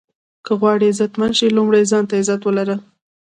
که غواړئ عزتمند شې لومړی ځان ته عزت ولره.